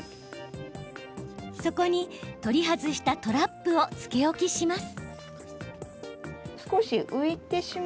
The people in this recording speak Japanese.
そこに取り外したトラップをつけ置きします。